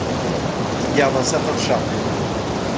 Qui garde un certain charme néanmoins.